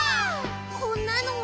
「こんなのは？」